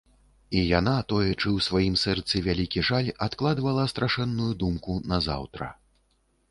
І яна, тоячы ў сваім сэрцы вялікі жаль, адкладвала страшэнную думку на заўтра.